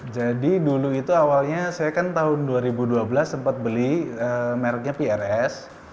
jadi dulu itu awalnya saya kan tahun dua ribu dua belas sempat beli merknya prs